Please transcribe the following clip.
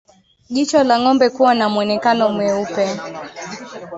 Jicho la ngombe kuwa na mwonekano mweupe